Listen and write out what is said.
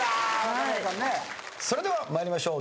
それでは参りましょう。